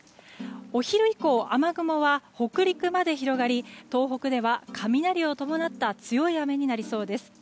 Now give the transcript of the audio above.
お昼以降、雨雲は北陸まで広がり東北では雷を伴った強い雨になりそうです。